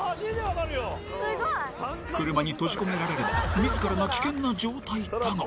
車に閉じ込められれば自らが危険な状態だが。